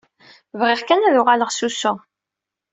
Bɣiɣ kan ad uɣaleɣ s usu.